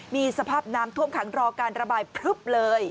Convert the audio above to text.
มีสภาพน้ำท่วมขังรอการระบายพลึบเลย